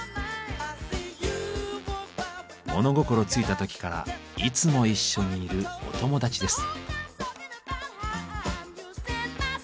物心ついた時からいつも一緒にいるお友達です。